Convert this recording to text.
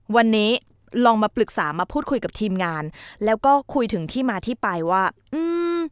วันนี้ลองมาปรึกษามาพูดคุยกับทีมงานแล้วก็คุยถึงที่มาที่ไปว่าอืม